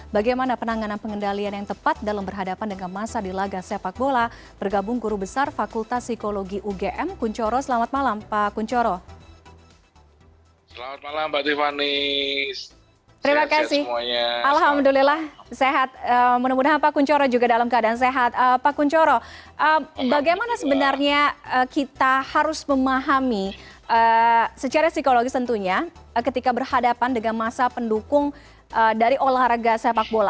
bagaimana sebenarnya kita harus memahami secara psikologis tentunya ketika berhadapan dengan masa pendukung dari olahraga sepak bola